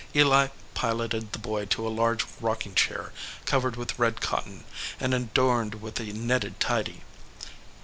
Eli piloted the boy to a large rocking chair cov ered with red cotton, and adorned with a netted tidy.